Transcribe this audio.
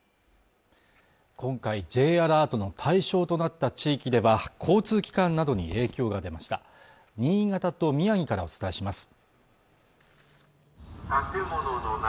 今回Ｊアラートの対象となった地域では交通機関などに影響が出ました新潟と宮城からお伝えします